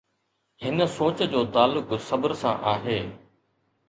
هن سوچ جو تعلق صبر سان آهي.